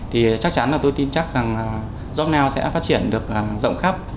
thì chắc chắn là tôi tin chắc rằng jobnow sẽ phát triển được rộng khắp